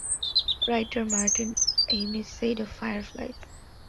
Writer Martin Amis said of "Fireflies"